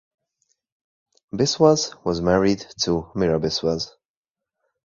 Biswas was married to Mira Biswas.